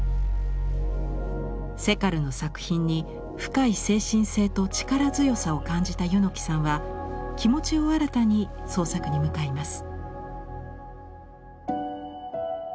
セカルの作品に深い精神性と力強さを感じた柚木さんは気持ちを新たに創作に向かいます。